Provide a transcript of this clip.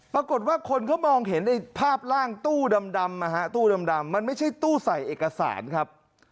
ปรากฏว่าคนเขามองเห็นไอ้ภาพร่างตู้ดำตู้ดำมันไม่ใช่ตู้ใส่เอกสารครับ